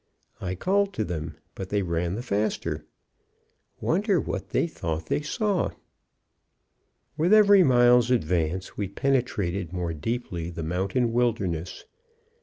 I called to them, but they ran the faster. Wonder what they thought they saw? With every mile's advance we penetrated more deeply the mountain wilderness.